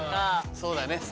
そうだね。